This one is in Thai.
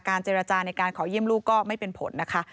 เจรจาในการขอเยี่ยมลูกก็ไม่เป็นผลนะคะ